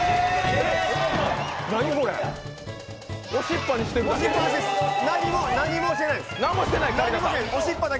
押しっぱにしてるだけ？